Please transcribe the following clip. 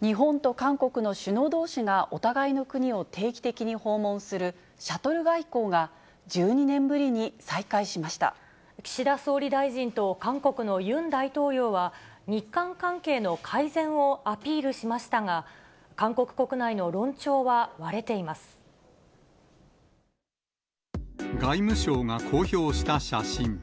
日本と韓国の首脳どうしがお互いの国を定期的に訪問するシャトル外交が、１２年ぶりに再開し岸田総理大臣と韓国のユン大統領は、日韓関係の改善をアピールしましたが、外務省が公表した写真。